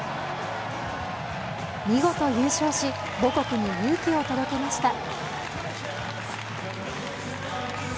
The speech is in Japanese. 見事優勝し、母国に勇気を届けました。